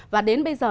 và đến bây giờ